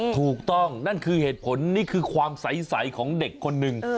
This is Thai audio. ถูกต้องนั่นคือเหตุผลนี่คือความใสของเด็กคนหนึ่ง